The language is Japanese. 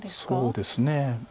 そうですね。